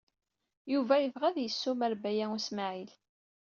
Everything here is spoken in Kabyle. Yuba yebɣa ad yessumar Baya U Smaɛil.